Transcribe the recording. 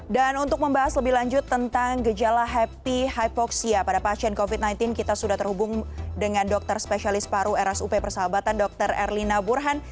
dan untuk membahas lebih lanjut tentang gejala happy hypoxia pada pasien covid sembilan belas kita sudah terhubung dengan dokter spesialis paru rsup persahabatan dr erlina burhan